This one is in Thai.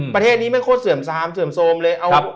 ประเทศนี้ไม่โคตรเสื่อมซามเสื่อมโทรมเลย